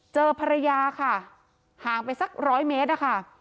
เจอภรรยาค่ะห่างไปสักร้อยเมตรนะคะ